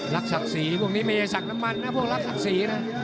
ศักดิ์ศรีพวกนี้มีศักดิ์น้ำมันนะพวกรักศักดิ์ศรีนะ